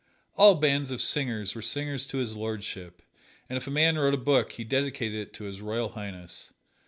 All bands of singers were singers to His Lordship, and if a man wrote a book he dedicated it to His Royal Highness.